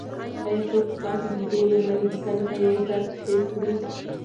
ایا څوک شته چې د دې مېرمنې د تنهایۍ درد حس کړي؟